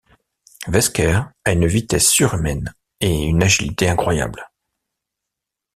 Wesker a une vitesse surhumaine et une agilité incroyable.